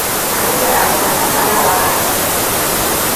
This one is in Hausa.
Aliko ya kusa kammalawa a nan.